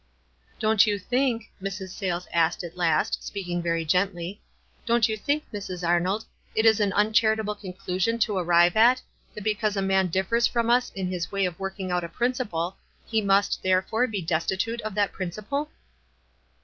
"Don't you think," Mrs. Sa}des asked at last, speaking very gently, "don't you think, Mrs. Arnold, it is an uncharitable conclusion to ar rive at, that because a man differs from us in his way of working out a principle, he must, there fore, be destitute of that principle?"